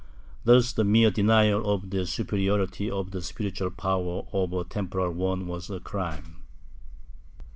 ^ Thus the mere denial of the superiority of the spiritual power over the temporal was a crime.